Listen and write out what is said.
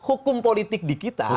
hukum politik di kita